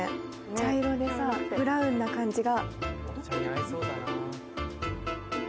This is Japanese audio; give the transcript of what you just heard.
茶色でブラウンな感じが。